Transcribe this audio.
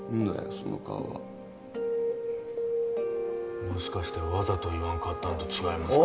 その顔はもしかしてわざと言わんかったんと違いますか？